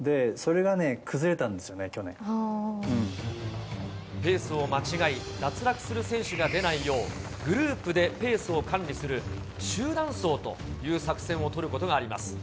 で、ペースを間違い、脱落する選手が出ないよう、グループでペースを管理する集団走という作戦を取ることがあります。